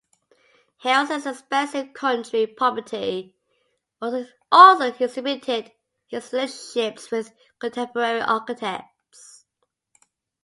Harrison's expansive country property also exhibited his relationships with contemporary architects.